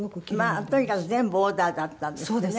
まあとにかく全部オーダーだったんですってね。